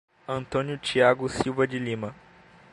Antônio Tiago Silva de Lima